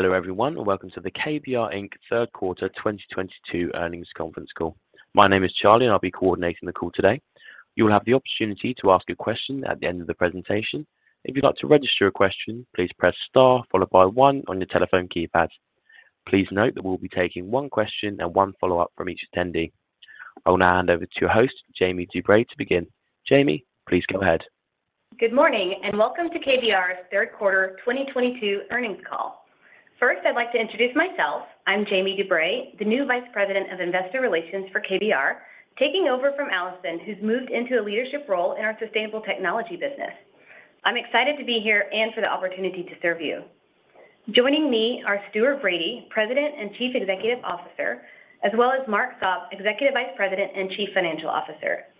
Hello everyone, and welcome to the KBR, Inc third quarter 2022 earnings conference call. My name is Charlie, and I'll be coordinating the call today. You'll have the opportunity to ask a question at the end of the presentation. If you'd like to register a question, please press star followed by one on your telephone keypad. Please note that we'll be taking one question and one follow-up from each attendee. I will now hand over to your host, Jamie DuBray, to begin. Jamie, please go ahead. Good morning, and welcome to KBR's third quarter 2022 earnings call. First, I'd like to introduce myself. I'm Jamie DuBray, the new Vice President of Investor Relations for KBR, taking over from Allison, who's moved into a leadership role in our sustainable technology business. I'm excited to be here and for the opportunity to serve you. Joining me are Stuart Bradie, President and Chief Executive Officer, as well as Mark Sopp, Executive Vice President and Chief Financial Officer.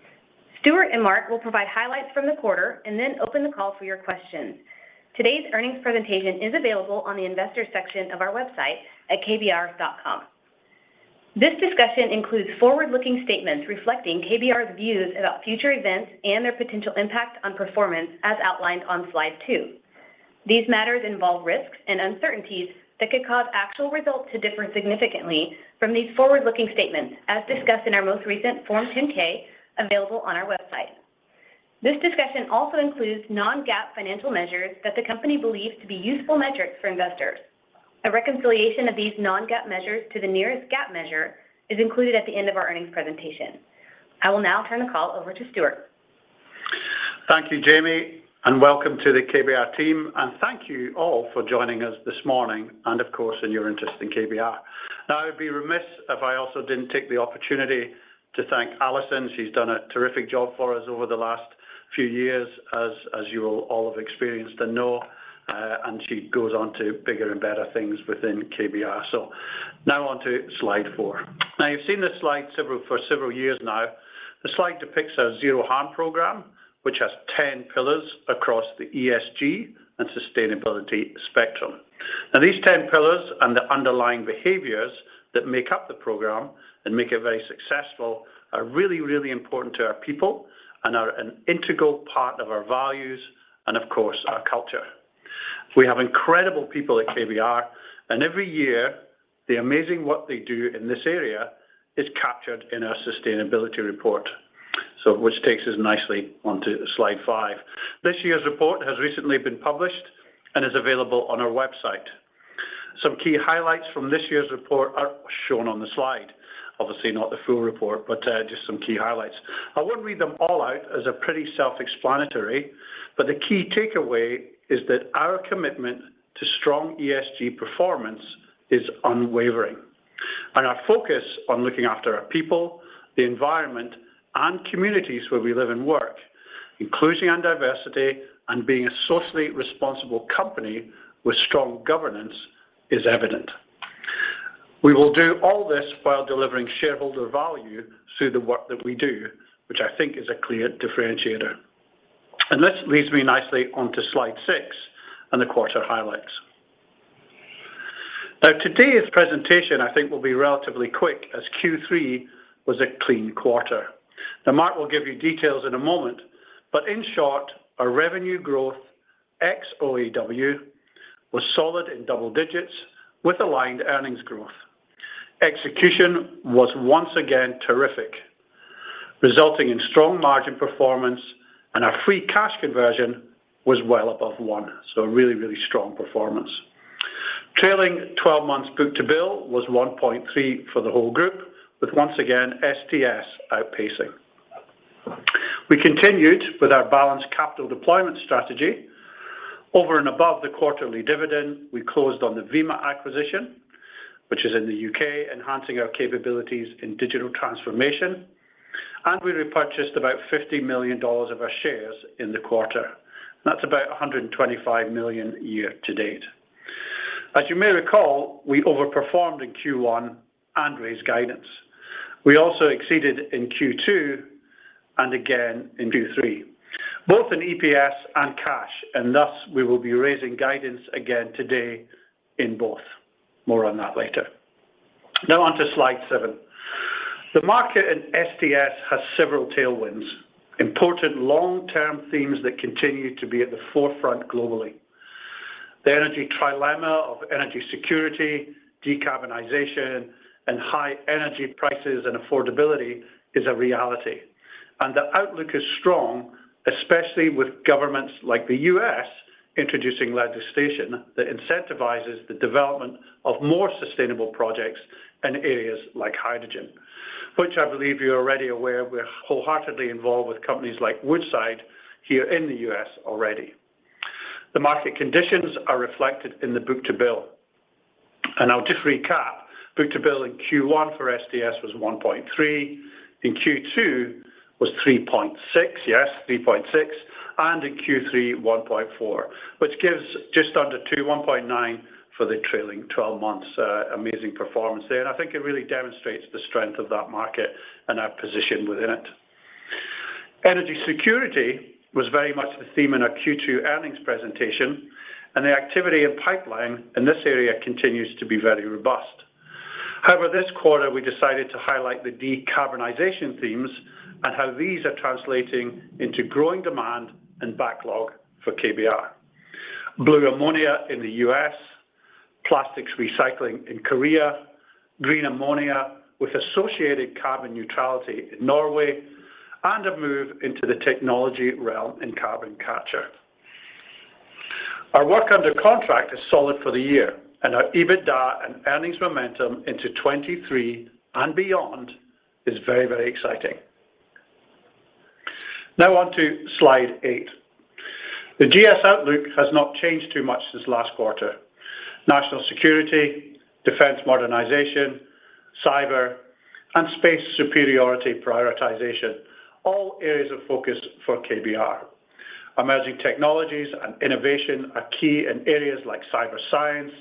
Stuart and Mark will provide highlights from the quarter and then open the call for your questions. Today's earnings presentation is available on the investor section of our website at kbr.com. This discussion includes forward-looking statements reflecting KBR's views about future events and their potential impact on performance as outlined on slide two. These matters involve risks and uncertainties that could cause actual results to differ significantly from these forward-looking statements, as discussed in our most recent Form 10-K, available on our website. This discussion also includes non-GAAP financial measures that the company believes to be useful metrics for investors. A reconciliation of these non-GAAP measures to the nearest GAAP measure is included at the end of our earnings presentation. I will now turn the call over to Stuart. Thank you, Jamie, and welcome to the KBR team, and thank you all for joining us this morning and of course in your interest in KBR. Now, I would be remiss if I also didn't take the opportunity to thank Allison. She's done a terrific job for us over the last few years, as you will all have experienced and know, and she goes on to bigger and better things within KBR. Now on to slide four. You've seen this slide for several years now. The slide depIchthys our Zero Harm program, which has 10 pillars across the ESG and sustainability spectrum. Now these 10 pillars and the underlying behaviors that make up the program and make it very successful are really, really important to our people and are an integral part of our values and of course, our culture. We have incredible people at KBR, and every year, the amazing work they do in this area is captured in our sustainability report. Which takes us nicely onto slide five. This year's report has recently been published and is available on our website. Some key highlights from this year's report are shown on the slide. Obviously, not the full report, but just some key highlights. I won't read them all out as they're pretty self-explanatory, but the key takeaway is that our commitment to strong ESG performance is unwavering. Our focus on looking after our people, the environment and communities where we live and work, inclusion and diversity, and being a socially responsible company with strong governance is evident. We will do all this while delivering shareholder value through the work that we do, which I think is a clear differentiator. This leads me nicely onto slide six and the quarter highlights. Today's presentation I think will be relatively quick as Q3 was a clean quarter. Mark will give you details in a moment, but in short, our revenue growth ex-OAW was solid in double digits with aligned earnings growth. Execution was once again terrific, resulting in strong margin performance, and our free cash conversion was well above one. A really, really strong performance. Trailing 12 months book-to-bill was 1.3x for the whole group with once again, STS outpacing. We continued with our balanced capital deployment strategy. Over and above the quarterly dividend, we closed on the VIMA acquisition, which is in the U.K., enhancing our capabilities in digital transformation. We repurchased about $50 million of our shares in the quarter. That's about $125 million year to date. As you may recall, we overperformed in Q1 and raised guidance. We also exceeded in Q2 and again in Q3, both in EPS and cash, and thus, we will be raising guidance again today in both. More on that later. Now onto slide seven. The market in STS has several tailwinds, important long-term themes that continue to be at the forefront globally. The energy trilemma of energy security, decarbonization, and high energy prices and affordability is a reality. The outlook is strong, especially with governments like the U.S. introducing legislation that incentivizes the development of more sustainable projects in areas like hydrogen, which I believe you're already aware we're wholeheartedly involved with companies like Woodside here in the U.S. already. The market conditions are reflected in the book-to-bill. I'll just recap. Book-to-bill in Q1 for STS was 1.3x. In Q2 was 3.6x. Yes, 3.6x. In Q3, 1.4x, which gives just under 2x, 1.9x for the trailing twelve months. Amazing performance there, and I think it really demonstrates the strength of that market and our position within it. Energy security was very much the theme in our Q2 earnings presentation, and the activity and pipeline in this area continues to be very robust. However, this quarter we decided to highlight the decarbonization themes and how these are translating into growing demand and backlog for KBR. Blue ammonia in the U.S., plastics recycling in Korea, green ammonia with associated carbon neutrality in Norway, and a move into the technology realm in carbon capture. Our work under contract is solid for the year, and our EBITDA and earnings momentum into 2023 and beyond is very, very exciting. Now on to slide eight. The GS outlook has not changed too much since last quarter. National security, defense modernization, cyber, and space superiority prioritization, all areas of focus for KBR. Emerging technologies and innovation are key in areas like cyber science,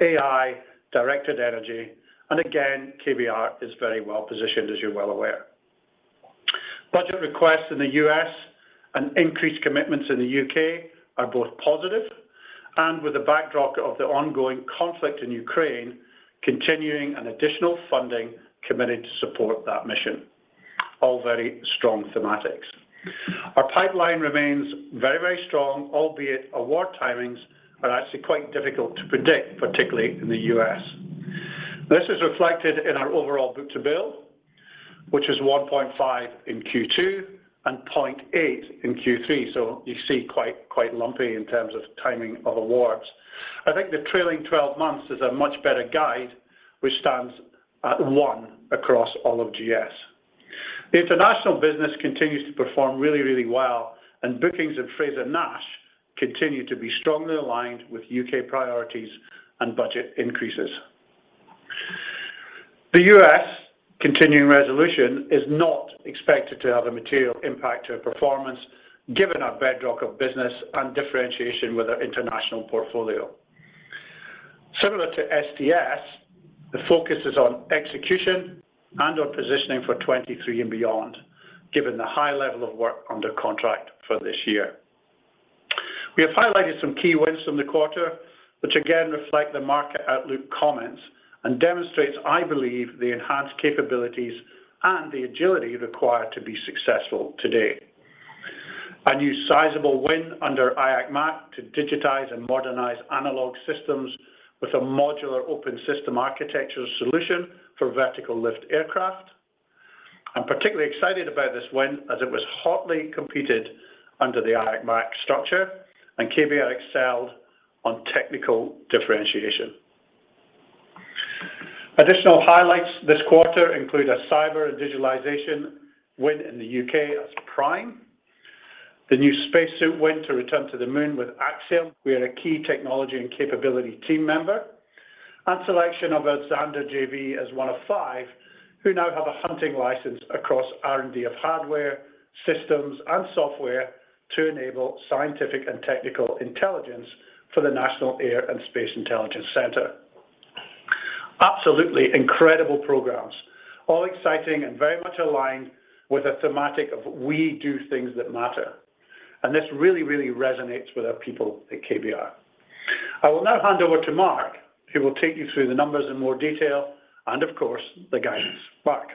AI, directed energy, and again, KBR is very well positioned, as you're well aware. Budget requests in the U.S. and increased commitments in the U.K. are both positive, and with the backdrop of the ongoing conflict in Ukraine continuing and additional funding committed to support that mission. All very strong thematics. Our pipeline remains very, very strong, albeit award timings are actually quite difficult to predict, particularly in the US. This is reflected in our overall book-to-bill, which is 1.5x in Q2 and 0.8x in Q3. You see quite lumpy in terms of timing of awards. I think the trailing twelve months is a much better guide, which stands at one across all of GS. The international business continues to perform really, really well, and bookings at Frazer-Nash continue to be strongly aligned with U.K. priorities and budget increases. The U.S. continuing resolution is not expected to have a material impact to our performance, given our bedrock of business and differentiation with our international portfolio. Similar to STS, the focus is on execution and on positioning for 2023 and beyond, given the high level of work under contract for this year. We have highlighted some key wins from the quarter, which again reflect the market outlook comments and demonstrates, I believe, the enhanced capabilities and the agility required to be successful today. A new sizable win under IAC MAC to digitize and modernize analog systems with a modular open system architecture solution for vertical lift aircraft. I'm particularly excited about this win as it was hotly competed under the IAC MAC structure, and KBR excelled on technical differentiation. Additional highlights this quarter include a cyber and digitalization win in the U.K. as prime. The new spacesuit win to return to the moon with Axiom. We are a key technology and capability team member. Selection of our Xandar JV as one of five who now have a hunting license across R&D of hardware, systems, and software to enable scientific and technical intelligence for the National Air and Space Intelligence Center. Absolutely incredible programs, all exciting and very much aligned with the thematic of we do things that matter. This really, really resonates with our people at KBR. I will now hand over to Mark, who will take you through the numbers in more detail and of course, the guidance. Mark.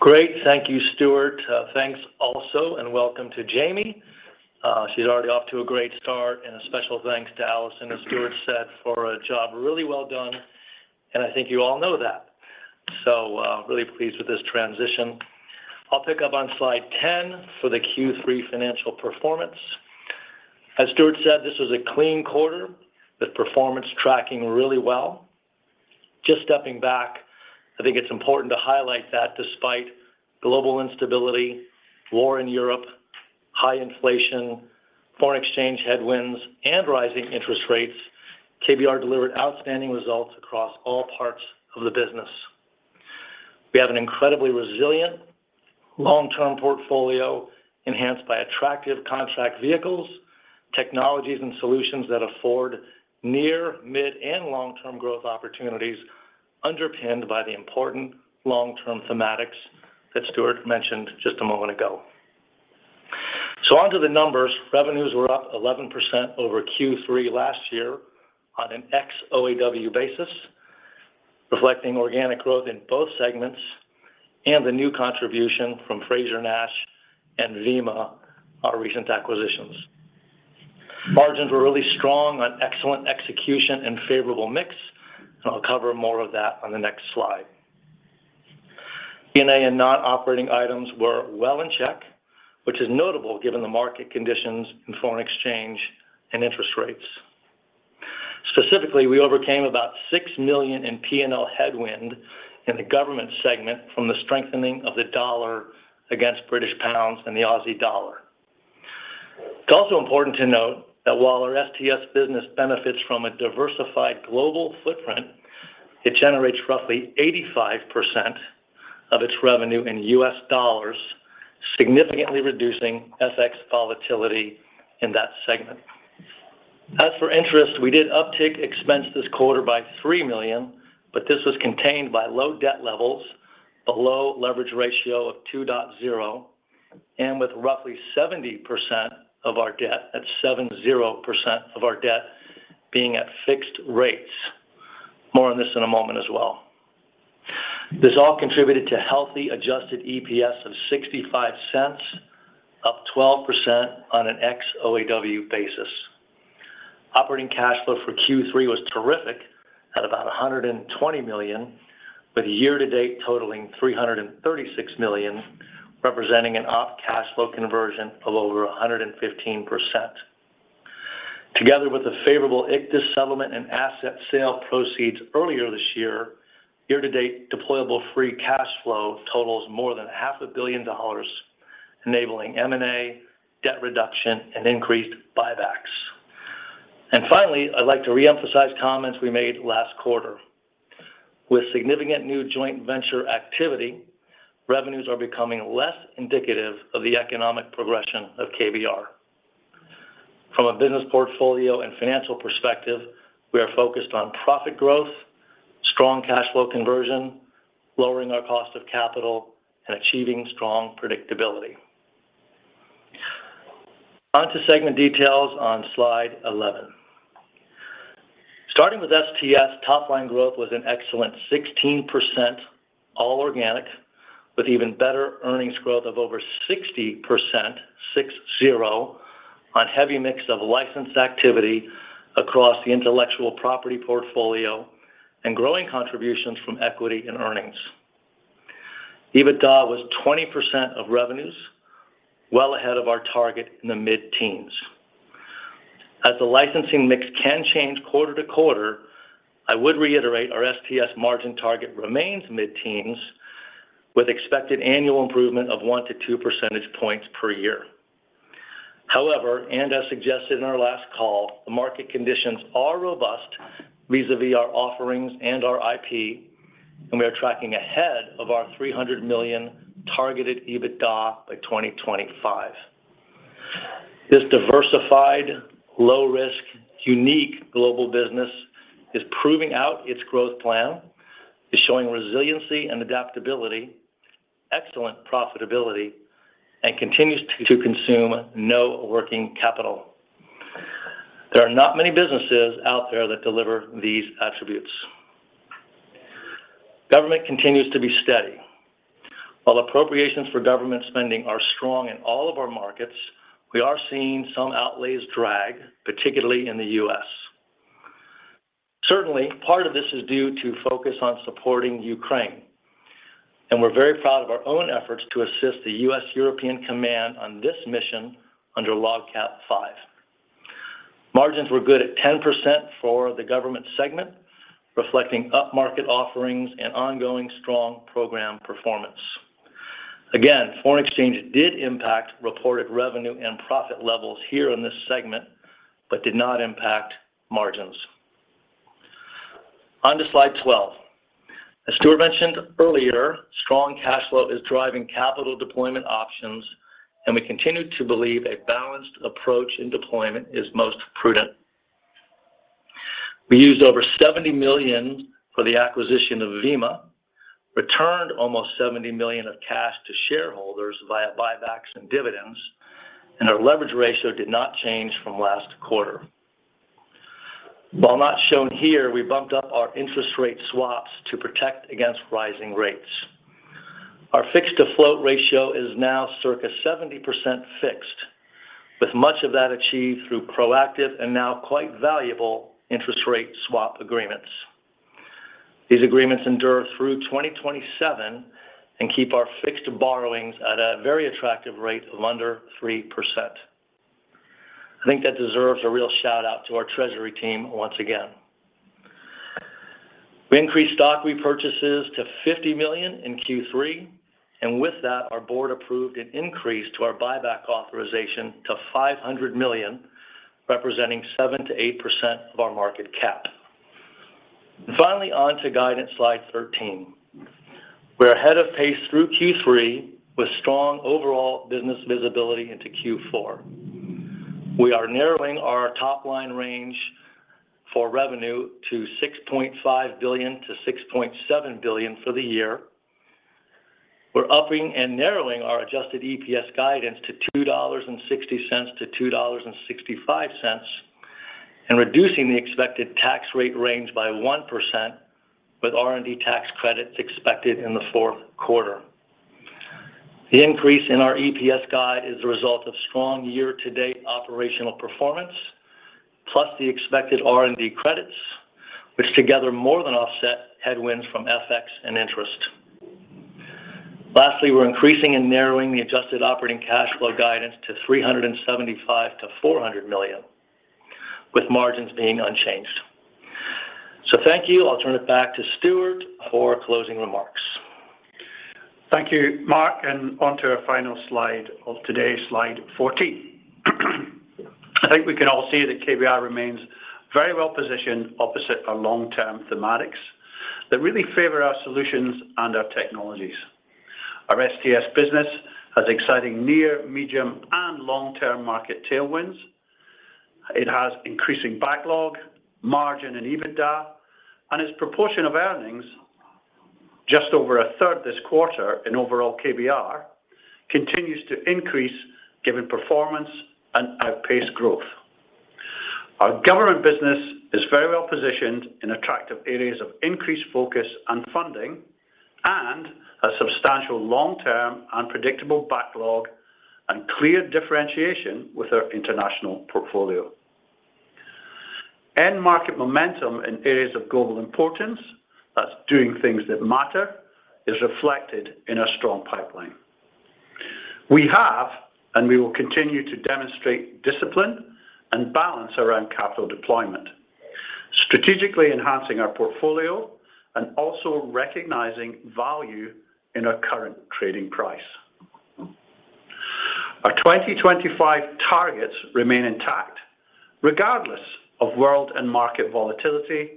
Great. Thank you, Stuart. Thanks also and welcome to Jamie. She's already off to a great start and a special thanks to Allison, as Stuart said, for a job really well done. I think you all know that. Really pleased with this transition. I'll pick up on slide 10 for the Q3 financial performance. As Stuart said, this was a clean quarter with performance tracking really well. Just stepping back, I think it's important to highlight that despite global instability, war in Europe, high inflation, foreign exchange headwinds and rising interest rates, KBR delivered outstanding results across all parts of the business. We have an incredibly resilient long-term portfolio enhanced by attractive contract vehicles, technologies and solutions that afford near, mid, and long-term growth opportunities underpinned by the important long-term thematics that Stuart mentioned just a moment ago. On to the numbers. Revenues were up 11% over Q3 last year on an ex-OAW basis, reflecting organic growth in both segments and the new contribution from Frazer-Nash and VIMA, our recent acquisitions. Margins were really strong on excellent execution and favorable mix, and I'll cover more of that on the next slide. G&A and non-operating items were well in check, which is notable given the market conditions in foreign exchange and interest rates. Specifically, we overcame about $6 million in P&L headwind in the government segment from the strengthening of the dollar against British pounds and the Aussie dollar. It's also important to note that while our STS business benefits from a diversified global footprint, it generates roughly 85% of its revenue in U.S. dollars, significantly reducing FX volatility in that segment. As for interest, we did uptick expense this quarter by $3 million, but this was contained by low debt levels, a low leverage ratio of 2.0. And with roughly 70% of our debt, that's 70% of our debt being at fixed rates. More on this in a moment as well. This all contributed to healthy adjusted EPS of $0.65, up 12% on an ex-OAW basis. Operating cash flow for Q3 was terrific at about $120 million, with year-to-date totaling $336 million, representing an op cash flow conversion of over 115%. Together with a favorable Ichthys settlement and asset sale proceeds earlier this year-to-date deployable free cash flow totals more than half a billion dollars, enabling M&A, debt reduction, and increased buybacks. Finally, I'd like to reemphasize comments we made last quarter. With significant new joint venture activity, revenues are becoming less indicative of the economic progression of KBR. From a business portfolio and financial perspective, we are focused on profit growth, strong cash flow conversion, lowering our cost of capital, and achieving strong predictability. On to segment details on slide 11. Starting with STS, top-line growth was an excellent 16%, all organic, with even better earnings growth of over 60%, on heavy mix of licensed activity across the intellectual property portfolio and growing contributions from equity and earnings. EBITDA was 20% of revenues, well ahead of our target in the mid-teens. As the licensing mix can change quarter to quarter, I would reiterate our STS margin target remains mid-teens, with expected annual improvement of one to two percentage points per year. However, as suggested in our last call, the market conditions are robust vis-à-vis our offerings and our IP, and we are tracking ahead of our $300 million targeted EBITDA by 2025. This diversified, low risk, unique global business is proving out its growth plan, is showing resiliency and adaptability, excellent profitability, and continues to consume no working capital. There are not many businesses out there that deliver these attributes. Government continues to be steady. While appropriations for government spending are strong in all of our markets, we are seeing some outlays drag, particularly in the U.S. Certainly, part of this is due to focus on supporting Ukraine, and we're very proud of our own efforts to assist the U.S. European Command on this mission under LOGCAP V. Margins were good at 10% for the government segment, reflecting upmarket offerings and ongoing strong program performance. Foreign exchange did impact reported revenue and profit levels here in this segment, but did not impact margins. On to slide 12. As Stuart mentioned earlier, strong cash flow is driving capital deployment options, and we continue to believe a balanced approach in deployment is most prudent. We used over $70 million for the acquisition of VIMA, returned almost $70 million of cash to shareholders via buybacks and dividends, and our leverage ratio did not change from last quarter. While not shown here, we bumped up our interest rate swaps to protect against rising rates. Our fixed-to-float ratio is now circa 70% fixed, with much of that achieved through proactive and now quite valuable interest rate swap agreements. These agreements endure through 2027 and keep our fixed borrowings at a very attractive rate of under 3%. I think that deserves a real shout-out to our treasury team once again. We increased stock repurchases to $50 million in Q3, and with that, our board approved an increase to our buyback authorization to $500 million, representing 7%-8% of our market cap. Finally, on to guidance slide 13. We're ahead of pace through Q3, with strong overall business visibility into Q4. We are narrowing our top-line range for revenue to $6.5 billion-$6.7 billion for the year. We're upping and narrowing our adjusted EPS guidance to $2.60-$2.65 and reducing the expected tax rate range by 1%, with R&D tax credits expected in the fourth quarter. The increase in our EPS guide is a result of strong year-to-date operational performance, plus the expected R&D credits, which together more than offset headwinds from FX and interest. Lastly, we're increasing and narrowing the adjusted operating cash flow guidance to $375 million-$400 million, with margins being unchanged. Thank you. I'll turn it back to Stuart for closing remarks. Thank you, Mark. Onto our final slide of today, slide 14. I think we can all see that KBR remains very well-positioned opposite our long-term thematics that really favor our solutions and our technologies. Our STS business has exciting near, medium, and long-term market tailwinds. It has increasing backlog, margin and EBITDA, and its proportion of earnings, just over a third this quarter in overall KBR, continues to increase given performance and outpace growth. Our government business is very well positioned in attractive areas of increased focus and funding and a substantial long-term unpredictable backlog and clear differentiation with our international portfolio. End market momentum in areas of global importance, that's doing things that matter, is reflected in our strong pipeline. We have, and we will continue to demonstrate discipline and balance around capital deployment, strategically enhancing our portfolio and also recognizing value in our current trading price. Our 2025 targets remain intact regardless of world and market volatility,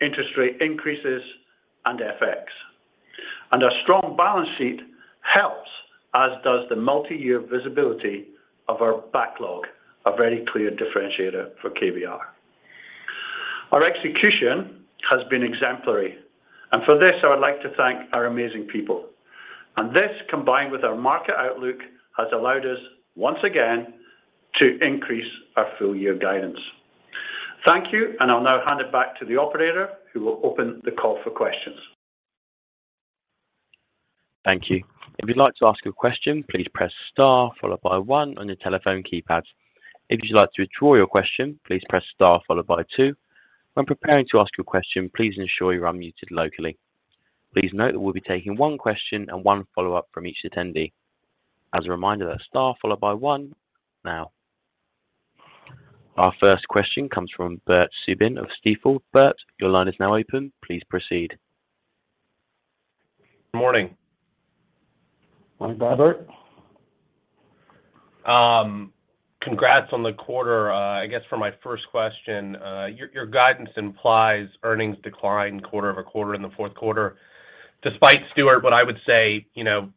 interest rate increases, and FX. Our strong balance sheet helps, as does the multi-year visibility of our backlog, a very clear differentiator for KBR. Our execution has been exemplary, and for this, I would like to thank our amazing people. This, combined with our market outlook, has allowed us, once again, to increase our full year guidance. Thank you, and I'll now hand it back to the operator, who will open the call for questions. Thank you. If you'd like to ask a question, please press star followed by one on your telephone keypad. If you'd like to withdraw your question, please press star followed by two. When preparing to ask your question, please ensure you are unmuted locally. Please note that we'll be taking one question and one follow-up from each attendee. As a reminder, press star followed by one now. Our first question comes from Bert Subin of Stifel. Bert, your line is now open. Please proceed. Morning. Morning, Bert. Congrats on the quarter. I guess for my first question, your guidance implies earnings decline quarter-over-quarter in the fourth quarter, despite, Stuart, what I would say, you know,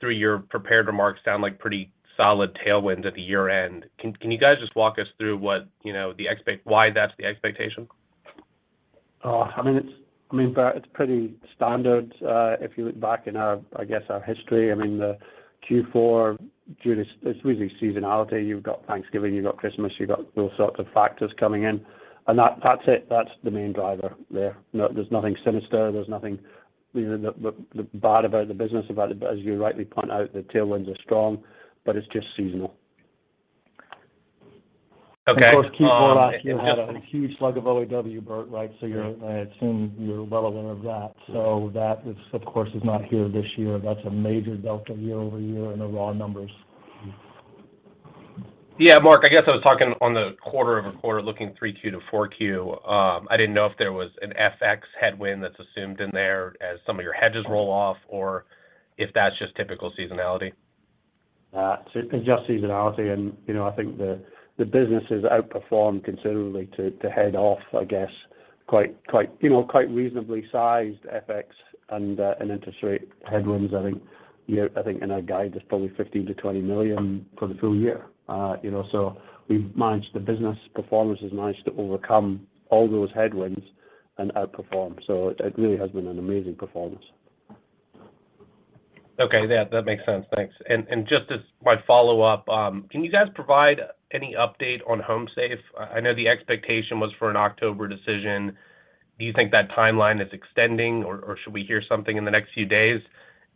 through your prepared remarks sound like pretty solid tailwinds at the year-end. Can you guys just walk us through what, you know, why that's the expectation? I mean, it's, I mean, Bert, it's pretty standard. If you look back in our, I guess, our history, I mean, the Q4 due to it's really seasonality. You've got Thanksgiving, you've got Christmas, you've got all sorts of factors coming in. That's it. That's the main driver there. No, there's nothing sinister. There's nothing, you know, the bad about the business about it. As you rightly point out, the tailwinds are strong, but it's just seasonal. Okay. Of course, Q4 last year had a huge slug of OAW, Bert, right? You're, I assume, well aware of that. That is, of course, not here this year. That's a major delta year over year in the raw numbers. Yeah. Mark, I guess I was talking on the quarter-over-quarter looking 3Q to 4Q. I didn't know if there was an FX headwind that's assumed in there as some of your hedges roll off or if that's just typical seasonality? It's just seasonality. You know, I think the businesses outperformed considerably to head off, I guess, quite reasonably sized FX and interest rate headwinds. I think in our guidance is probably $15 million-$20 million for the full year. You know, we've managed the business performance has managed to overcome all those headwinds and outperform. It really has been an amazing performance. Okay. Yeah, that makes sense. Thanks. Just as my follow-up, can you guys provide any update on HomeSafe? I know the expectation was for an October decision. Do you think that timeline is extending or should we hear something in the next few days?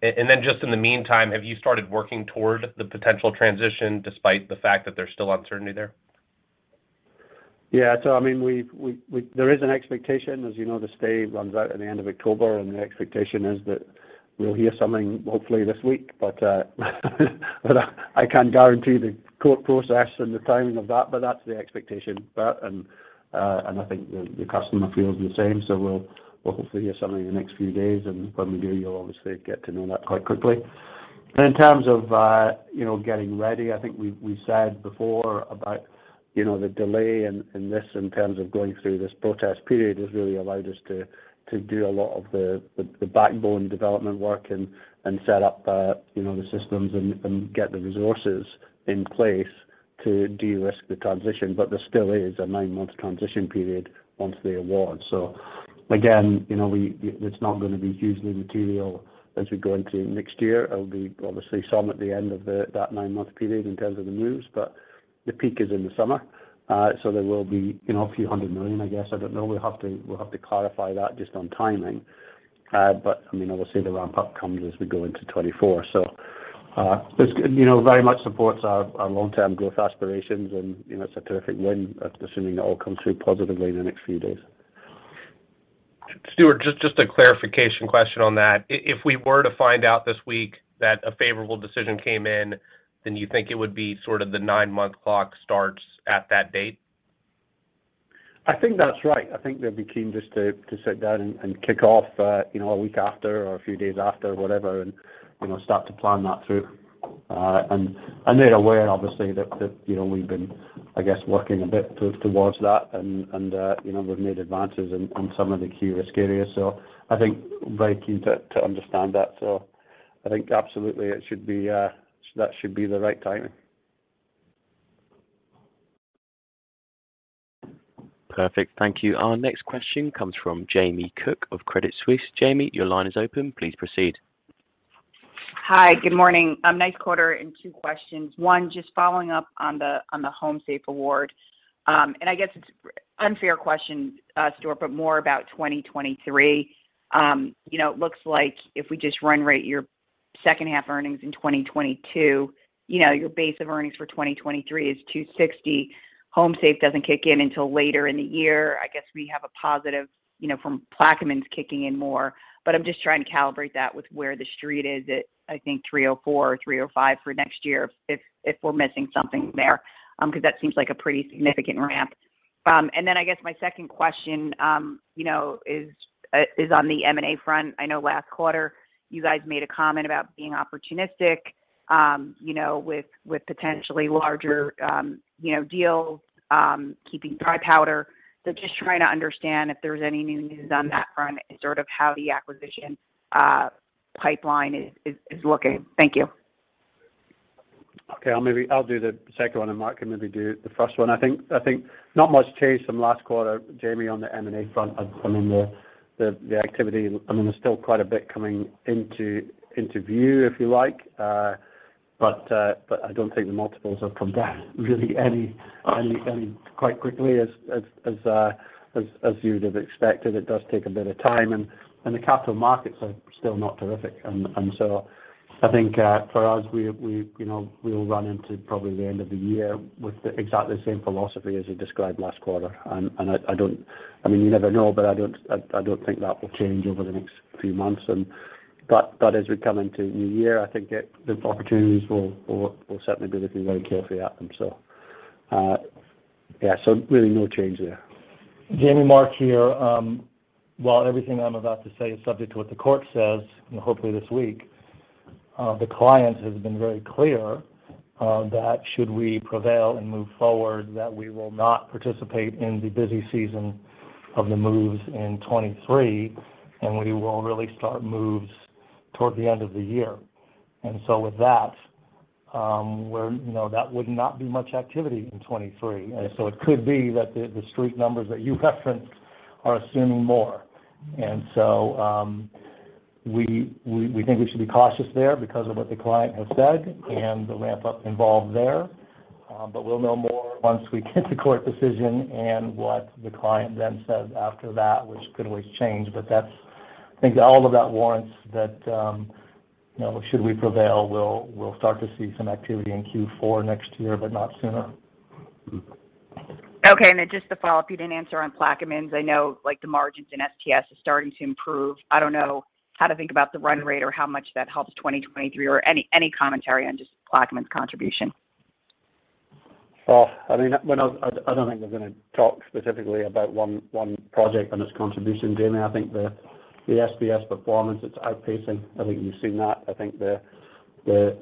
Just in the meantime, have you started working toward the potential transition despite the fact that there's still uncertainty there? Yeah. I mean, there is an expectation. As you know, the stay runs out at the end of October, and the expectation is that we'll hear something hopefully this week. I can't guarantee the court process and the timing of that, but that's the expectation, Bert. I think the customer feels the same. We'll hopefully hear something in the next few days. When we do, you'll obviously get to know that quite quickly. In terms of, you know, getting ready, I think we said before about, you know, the delay in this in terms of going through this protest period has really allowed us to do a lot of the backbone development work and set up, you know, the systems and get the resources in place to de-risk the transition. There still is a nine-month transition period once they award. So again, you know, it's not gonna be hugely material as we go into next year. It'll be obviously some at the end of that nine-month period in terms of the moves, but the peak is in the summer. So there will be, you know, a few hundred million, I guess. I don't know. We'll have to clarify that just on timing. I mean, obviously the ramp-up comes as we go into 2024. This, you know, very much supports our long-term growth aspirations and, you know, it's a terrific win, assuming it all comes through positively in the next few days. Stuart, just a clarification question on that. If we were to find out this week that a favorable decision came in, then you think it would be sort of the nine-month clock starts at that date? I think that's right. I think they'll be keen just to sit down and kick off, you know, a week after or a few days after, whatever, and you know, start to plan that through. They're aware obviously that you know, we've been, I guess, working a bit toward that and you know, we've made advances on some of the key risk areas. I think very keen to understand that. I think absolutely it should be. That should be the right timing. Perfect. Thank you. Our next question comes from Jamie Cook of Credit Suisse. Jamie, your line is open. Please proceed. Hi. Good morning. Nice quarter and two questions. One, just following up on the HomeSafe award. And I guess it's an unfair question, Stuart, but more about 2023. You know, it looks like if we just run rate your second half earnings in 2022, you know, your base of earnings for 2023 is $2.60. HomeSafe doesn't kick in until later in the year. I guess we have a positive, you know, from Plaquemines kicking in more, but I'm just trying to calibrate that with where The Street is at, I think $3.04 or $3.05 for next year, if we're missing something there, because that seems like a pretty significant ramp. And then I guess my second question, you know, is on the M&A front. I know last quarter you guys made a comment about being opportunistic, you know, with potentially larger, you know, deals, keeping dry powder. Just trying to understand if there's any new news on that front and sort of how the acquisition pipeline is looking. Thank you. Okay. I'll do the second one, and Mark can do the first one. I think not much changed from last quarter, Jamie, on the M&A front. I mean, the activity. I mean, there's still quite a bit coming into view, if you like. I don't think the multiples have come down really any quicker as you would have expected. It does take a bit of time. The capital markets are still not terrific. I think for us, you know, we'll run into probably the end of the year with exactly the same philosophy as we described last quarter. I don't- I mean, you never know, but I don't think that will change over the next few months. As we come into new year, I think we'll certainly be looking very carefully at them. Yeah. Really no change there. Jamie, Mark here. While everything I'm about to say is subject to what the court says, and hopefully this week, the client has been very clear, that should we prevail and move forward, that we will not participate in the busy season of the moves in 2023, and we will really start moves toward the end of the year. With that, you know, that would not be much activity in 2023. It could be that the Street numbers that you referenced are assuming more. We think we should be cautious there because of what the client has said and the ramp-up involved there. We'll know more once we get the court decision and what the client then says after that, which could always change. That's, I think all of that warrants that, you know, should we prevail, we'll start to see some activity in Q4 next year, but not sooner. Okay. Just to follow up, you didn't answer on Plaquemines. I know like the margins in STS is starting to improve. I don't know how to think about the run rate or how much that helps 2023 or any commentary on just Plaquemines contribution. Well, I mean, I don't think we're gonna talk specifically about one project and its contribution, Jamie. I think the STS performance, it's outpacing. I think you've seen that. I think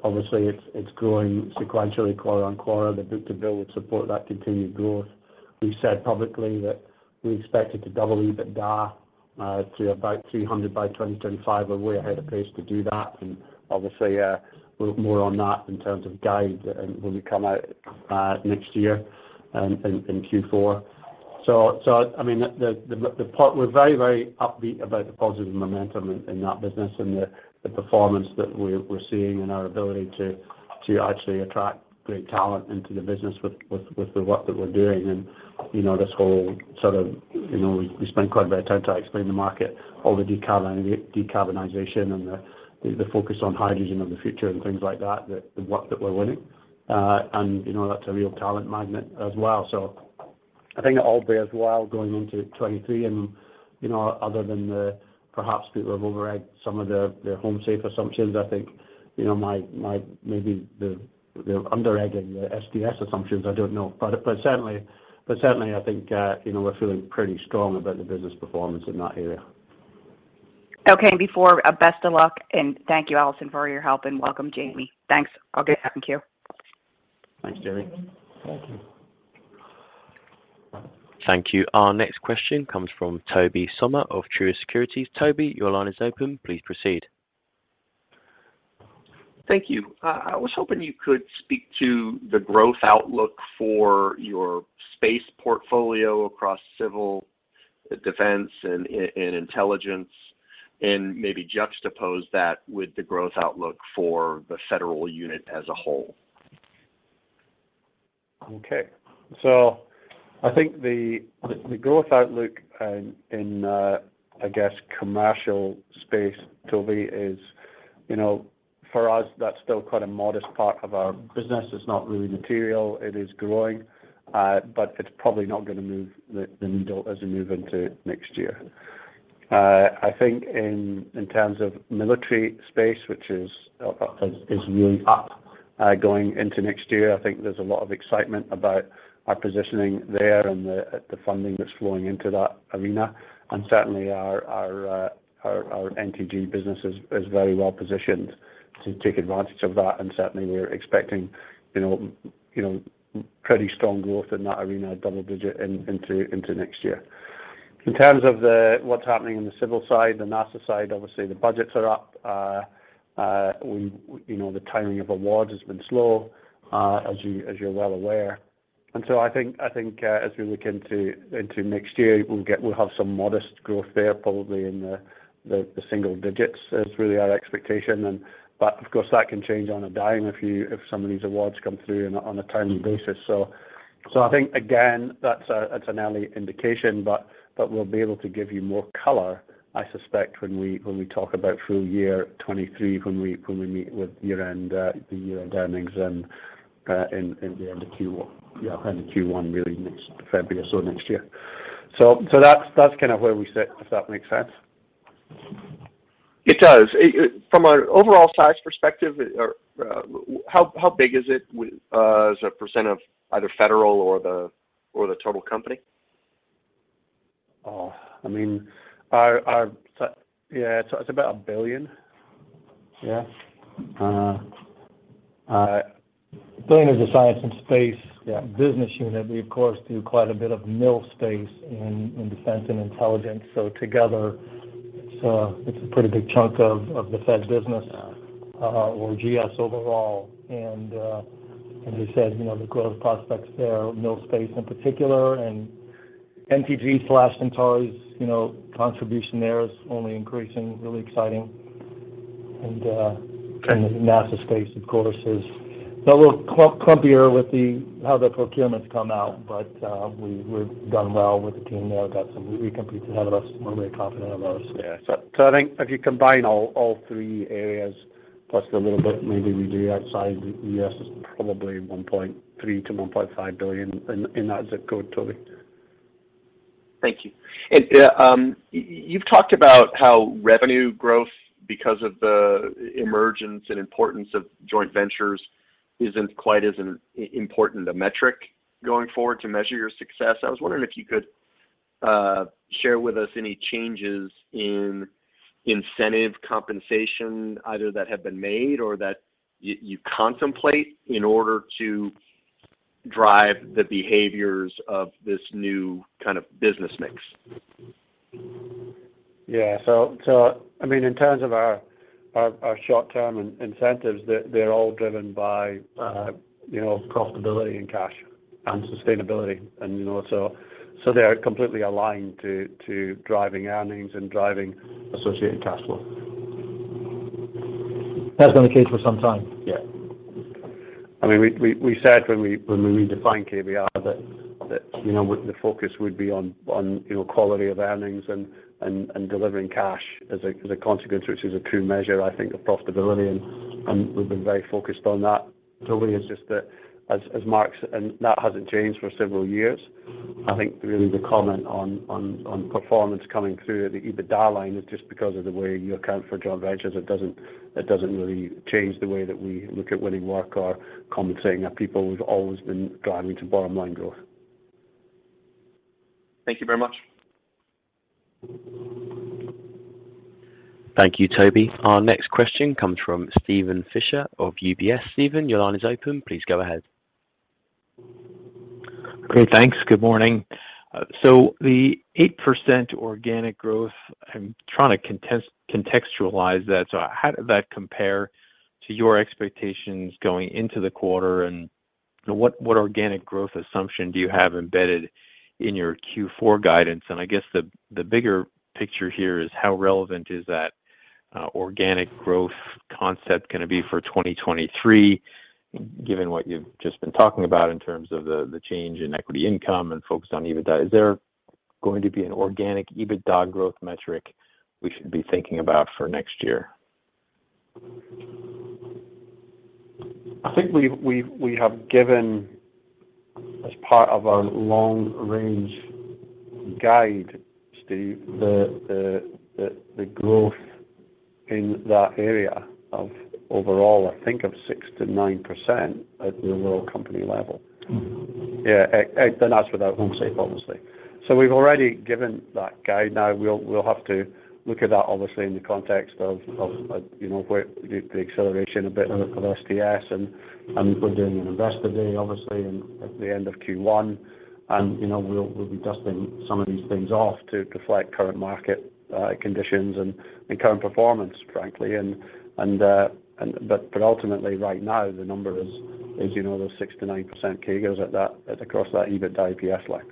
obviously it's growing sequentially quarter on quarter. The book-to-bill would support that continued growth. We've said publicly that we expect it to double EBITDA to about $300 by 2025. We're way ahead of pace to do that. Obviously, we'll have more on that in terms of guide when we come out next year in Q4. I mean, we're very upbeat about the positive momentum in that business and the performance that we're seeing and our ability to actually attract great talent into the business with the work that we're doing. You know, this whole sort of, you know, we spend quite a bit of time trying to explain the market, all the decarbonization and the focus on hydrogen and the future and things like that, the work that we're winning. You know, that's a real talent magnet as well. I think it all bears well going into 2023. You know, other than perhaps people have over-egged some of the HomeSafe assumptions, I think, you know, maybe they're under-egging the STS assumptions, I don't know. Certainly I think, you know, we're feeling pretty strong about the business performance in that area. Okay. Best of luck, and thank you, Allison, for your help and welcome, Jamie. Thanks. I'll get back to you. Thanks, Jamie. Thank you. Our next question comes from Tobey Sommer of Truist Securities. Tobey, your line is open. Please proceed. Thank you. I was hoping you could speak to the growth outlook for your space portfolio across Civil, Defense and Intel, and maybe juxtapose that with the growth outlook for the federal unit as a whole? I think the growth outlook in, I guess, commercial space, Tobey, is, you know, for us, that's still quite a modest part of our business. It's not really material. It is growing, but it's probably not gonna move the needle as we move into next year. I think in terms of military space, which is really up going into next year, I think there's a lot of excitement about our positioning there and the funding that's flowing into that arena. And certainly our NTG business is very well positioned to take advantage of that. Certainly we're expecting pretty strong growth in that arena, double-digit into next year. In terms of what's happening in the Civil side, the NASA side, obviously the budgets are up. We know the timing of awards has been slow, as you're well aware. I think as we look into next year, we'll have some modest growth there, probably in the single digits is really our expectation. But of course, that can change on a dime if some of these awards come through on a timely basis. I think again, that's an early indication, but we'll be able to give you more color, I suspect, when we talk about full year 2023 when we meet with year-end, the year-end earnings and in the end of Q1. Yeah, end of Q1, really next February or so next year. That's kind of where we sit, if that makes sense. It does. From an overall size perspective, how big is it as a percent of either federal or the total company? Oh, I mean, yeah, it's about $1 billion. Yeah. There's the science and space. Yeah. Business unit. We, of course, do quite a bit of civil space in defense and intelligence. Together, it's a pretty big chunk of the Fed business or GS overall. As I said, you know, the growth prospects there, civil space in particular, and NTG/Centauri's, you know, contribution there is only increasing, really exciting. Sure. The NASA space, of course, is a little clunkier with how the procurements come out. We've done well with the team there. Got some recompetes ahead of us. We're very confident of those. Yeah. I think if you combine all three areas plus the little bit maybe we do outside the U.S. is probably $1.3 billion-$1.5 billion in that zip code, Tobey. Thank you. You've talked about how revenue growth, because of the emergence and importance of joint ventures, isn't quite as important a metric going forward to measure your success. I was wondering if you could share with us any changes in incentive compensation, either that have been made or that you contemplate in order to drive the behaviors of this new kind of business mix. I mean, in terms of our short-term incentives, they're all driven by, you know, profitability and cash and sustainability. You know, so they are completely aligned to driving earnings and driving associated cash flow. That's been the case for some time. Yeah. I mean, we said when we redefined KBR that, you know, the focus would be on, you know, quality of earnings and delivering cash as a consequence, which is a true measure, I think, of profitability. We've been very focused on that. Tobey, it's just that as Mark. That hasn't changed for several years. I think really the comment on performance coming through the EBITDA line is just because of the way you account for joint ventures. It doesn't really change the way that we look at winning work or compensating our people. We've always been driving to bottom line growth. Thank you very much. Thank you, Tobey. Our next question comes from Steven Fisher of UBS. Steven, your line is open. Please go ahead. Great. Thanks. Good morning. So the 8% organic growth, I'm trying to contextualize that. So how did that compare to your expectations going into the quarter? And what organic growth assumption do you have embedded in your Q4 guidance? And I guess the bigger picture here is how relevant is that organic growth concept gonna be for 2023, given what you've just been talking about in terms of the change in equity income and focus on EBITDA? Is there going to be an organic EBITDA growth metric we should be thinking about for next year? I think we have given as part of our long range guide, Steve, the growth in that area of overall, I think of 6%-9% at the world company level. Mm-hmm. Yeah. That's without HomeSafe, obviously. We've already given that guide. Now we'll have to look at that obviously in the context of you know where the acceleration a bit of STS and, I mean, we're doing an Investor Day obviously in at the end of Q1. You know, we'll be dusting some of these things off to reflect current market conditions, but ultimately right now the number is, as you know, that 6%-9% CAGR across that EBITDA EPS line.